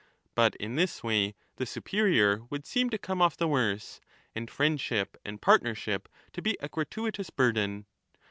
^ But in this way the superior would seem to come ofif the worse, and friendship and partr\ership to be a gratuitous burden.